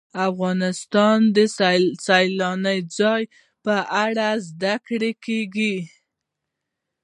افغانستان کې د سیلانی ځایونه په اړه زده کړه کېږي.